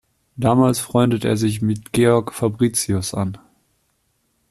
Damals freundete er sich mit Georg Fabricius an.